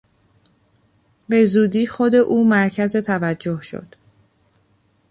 به زودی خود او مرکز توجه شد.